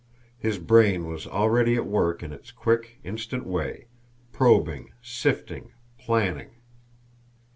His brain was already at work in its quick, instant way, probing, sifting, planning.